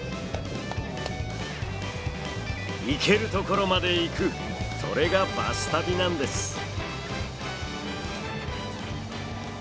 行けるところまで行くそれがバス旅なんです。